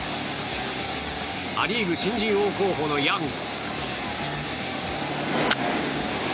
ア・リーグ新人王候補のヤング！